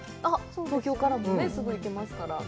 東京からもすぐ行けますから。